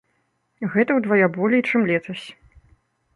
Гэта ўдвая болей, чым летась.